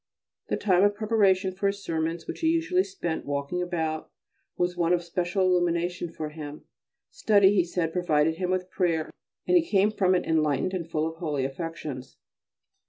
The time of preparation for his sermons, which he usually spent walking about, was one of special illumination for him. Study, he said, provided him with prayer, and he came from it enlightened and full of holy affections.